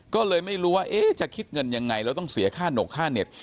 ก็เลยไม่รู้ว่าจะคิดเงินยังไงแล้วต้องเสียค่าหนกค่าเน็ต